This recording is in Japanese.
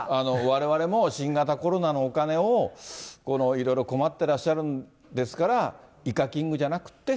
われわれも新型コロナのお金をこのいろいろ困ってらっしゃるんですから、イカキングじゃなくって、